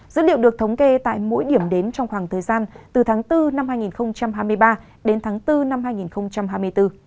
dữ liệu được thống kê tại mỗi điểm đến trong khoảng thời gian từ tháng bốn năm hai nghìn hai mươi ba đến tháng bốn năm hai nghìn hai mươi bốn